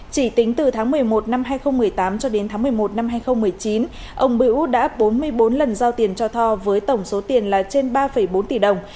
chỉ tính từ tháng một mươi một năm hai nghìn một mươi tám cho đến tháng một mươi một năm hai nghìn một mươi chín ông bữu đã bốn mươi bốn lần giao tiền cho tho với tổng số tiền là trên ba bốn tỷ đồng